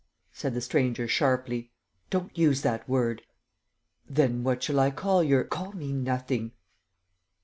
said the stranger, sharply. "Don't use that word." "Then what shall I call Your ..." "Call me nothing."